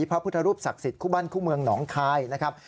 พระพุทธรูปศักดิ์สิทธิคู่บ้านคู่เมืองหนองคายนะครับ